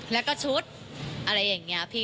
แล้วก็ชุดอะไรอย่างนี้พี่